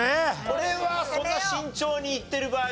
これはそんな慎重にいってる場合じゃないかなと。